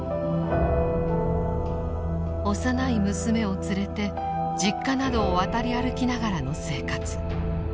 幼い娘を連れて実家などを渡り歩きながらの生活。